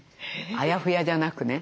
あやふやじゃなくね。